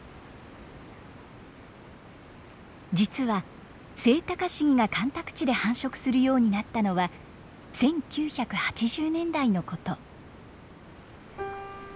実はセイタカシギが干拓地で繁殖するようになったのは１９８０年代のこと。